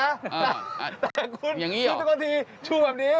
แต่คุณสกนทีสู้แบบนี้